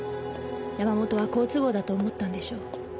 山本は好都合だと思ったんでしょう。